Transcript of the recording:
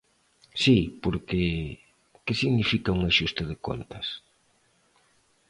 Si, porque, que significa un axuste de contas?